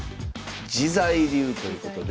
「自在流」ということで。